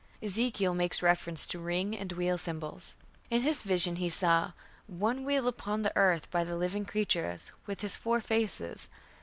Ezekiel makes reference to "ring" and "wheel" symbols. In his vision he saw "one wheel upon the earth by the living creatures, with his four faces.